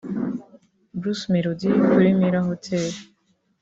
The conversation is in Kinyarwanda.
Bruce Melody kuri Mirror Hotel